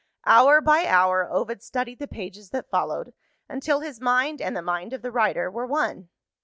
Hour by hour, Ovid studied the pages that followed, until his mind and the mind of the writer were one.